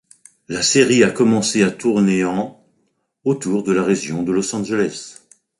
La série a commencé à tourner en autour de la région de Los Angeles.